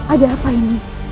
ada apa ini